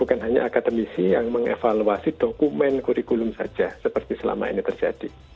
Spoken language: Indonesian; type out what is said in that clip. bukan hanya akademisi yang mengevaluasi dokumen kurikulum saja seperti selama ini terjadi